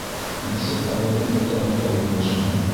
Мәсет ауылдың уртаһында урынлашҡан.